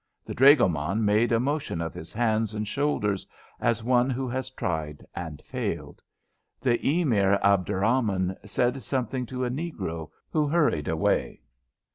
The dragoman made a motion of his hands and shoulders, as one who has tried and failed. The Emir Abderrahman said something to a negro, who hurried away.